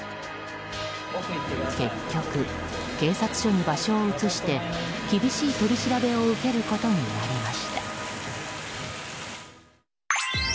結局、警察署に場所を移して厳しい取り調べを受けることになりました。